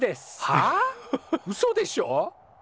はあうそでしょ！？